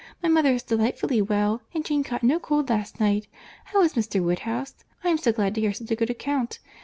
My mother is delightfully well; and Jane caught no cold last night. How is Mr. Woodhouse?—I am so glad to hear such a good account.